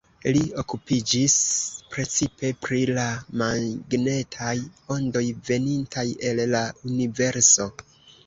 Li okupiĝis precipe pri la magnetaj ondoj venintaj el la universo.